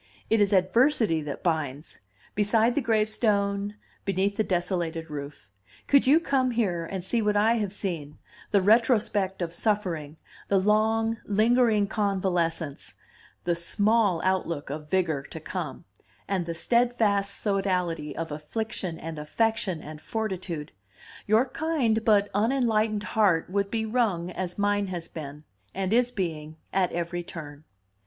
It is adversity that binds beside the gravestone, beneath the desolated roof. Could you come here and see what I have seen, the retrospect of suffering, the long, lingering convalescence, the small outlook of vigor to come, and the steadfast sodality of affliction and affection and fortitude, your kind but unenlightened heart would be wrung, as mine has been, and is being, at every turn."